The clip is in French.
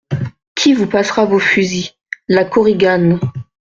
Qui vous passera vos fusils ? LA KORIGANE.